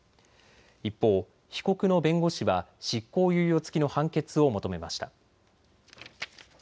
一方、被告の弁護士は執行猶予つきの判決を求めました。